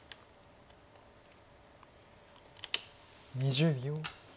２０秒。